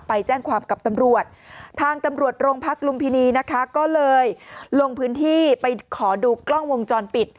ไปแจ้งความกับตำรวจทางตำรวจโรงพักลุมพินีนะคะก็เลยลงพื้นที่ไปขอดูกล้องวงจรปิด